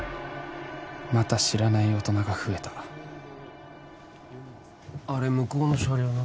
また知らない大人が増えたあれ向こうの車両の？